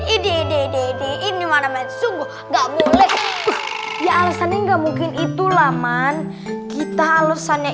ide ide ini manamen sungguh nggak boleh ya alesannya nggak mungkin itulah man kita alesannya